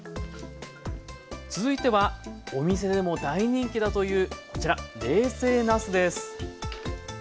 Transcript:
続いてはお店でも大人気だというこちら「冷製なす」です。